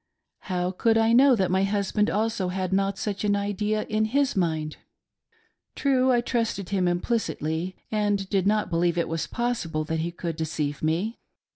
How could I know that my husband also had not such an idea in his mind .' True, I trusted him implicitly, and did not believe it possible that he could deceive me.